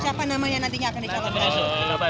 siapa namanya nantinya akan dikawal